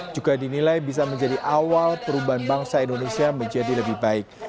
juga dinilai bisa menjadi awal perubahan bangsa indonesia menjadi lebih baik